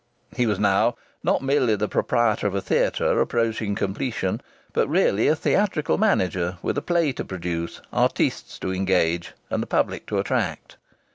He was now not merely the proprietor of a theatre approaching completion, but really a theatrical manager with a play to produce, artistes to engage, and the public to attract.